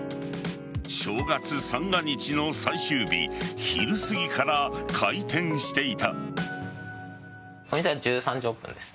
正月三が日の最終日昼すぎから開店していた。